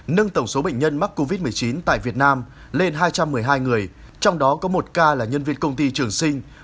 nâng tổng số bệnh nhân mắc covid một mươi chín tại việt nam lên hai trăm một mươi hai người trong đó có một ca là nhân viên công ty trường sinh